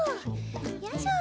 よいしょ。